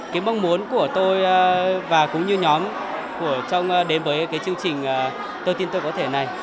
cái mong muốn của tôi và cũng như nhóm của trong đến với cái chương trình tôi tin tôi có thể này